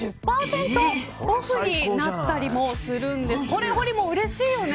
これ、ほりもんうれしいよね。